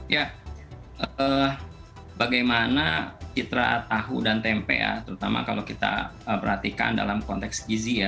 ya bagaimana citra tahu dan tempe ya terutama kalau kita perhatikan dalam konteks gizi ya